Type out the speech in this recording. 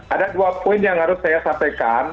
ada dua poin yang harus saya sampaikan